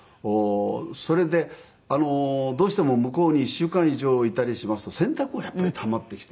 それでどうしても向こうに１週間以上いたりしますと洗濯がやっぱりたまってきて。